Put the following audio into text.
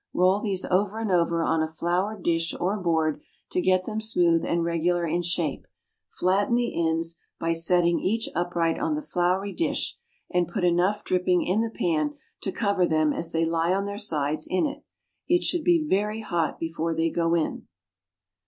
Roll these over and over on a floured dish or board to get them smooth and regular in shape; flatten the ends by setting each upright on the floury dish, and put enough dripping in the pan to cover them as they lie on their sides in it. It should be very hot before they go in.